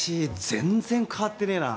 全然変わってねえな。